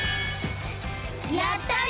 やったね！